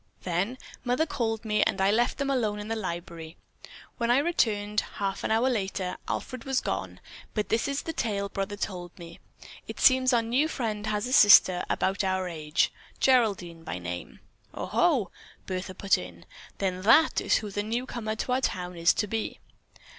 Then Mother called me and I left them alone in the library. When I returned, half an hour later, Alfred was gone, but this is the tale Brother told me. It seems our new friend has a sister about our age, Geraldine by name." "Oho," Bertha put in, "then that is who the newcomer to our town is to be."